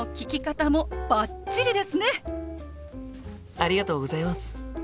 ありがとうございます！